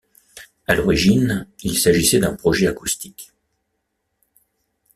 À l'origine, il s'agissait d'un projet acoustique.